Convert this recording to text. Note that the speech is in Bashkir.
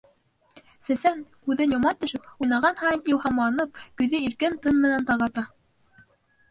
Сәсән, күҙен йома төшөп, уйнаған һайын илһамланып, көйҙө иркен тын менән тағата.